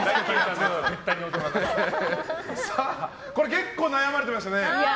結構悩まれてましたね。